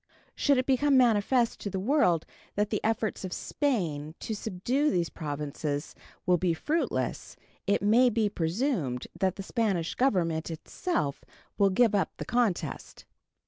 Should it become manifest to the world that the efforts of Spain to subdue these Provinces will be fruitless, it may be presumed that the Spanish Government itself will give up the contest.